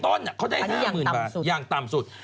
ต้นเขาได้๕๐๐๐บาทอย่างต่ำสุด